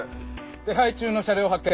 手配中の車両を発見。